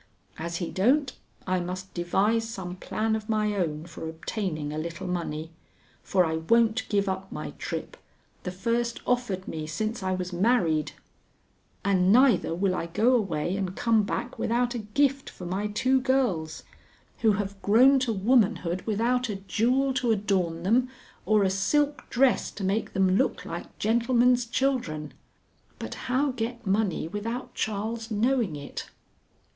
As he don't, I must devise some plan of my own for obtaining a little money, for I won't give up my trip the first offered me since I was married, and neither will I go away and come back without a gift for my two girls, who have grown to womanhood without a jewel to adorn them or a silk dress to make them look like gentlemen's children. But how get money without Charles knowing it?